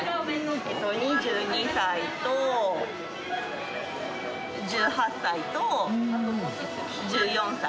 ２２歳と１８歳と１４歳。